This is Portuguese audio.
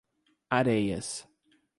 Areias